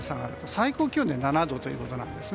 最高気温で７度ということです。